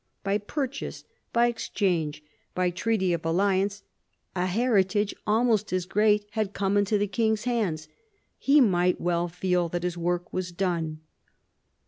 By pur chase, by exchange, by treaty of alliance, a heritage almost as great had come into the king's hands. He might well feel that his work was done.